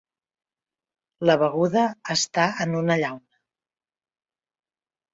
La beguda està en una llauna.